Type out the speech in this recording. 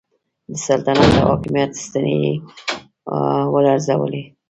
د سلطنت او حاکمیت ستنې یې ولړزولې.